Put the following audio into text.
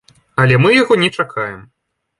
Але мы яго не чакаем.